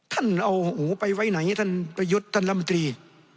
ท่านเอาหูไปไว้ไหนท่านประยุทธ์ท่านลำตรี